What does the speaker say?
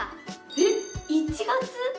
えっ１月？